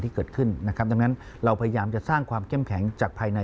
ที่เกิดขึ้นทำหน้าเราพยายามจะสร้างความเกี่ยวแข็งจากภายใน